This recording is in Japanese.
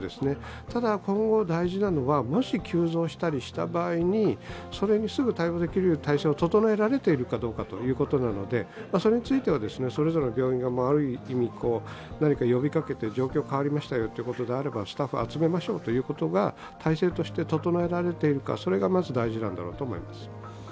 ただ、今後大事なのはもし急増したりした場合にそれにすぐ対応できる体制を整えられているかどうかということなのでそれについてはそれぞれの病院が何か呼びかけて、状況変わりましたということであればスタッフを集めましょうということが体制として整えられているかそれがまず大事なんだろうと思います。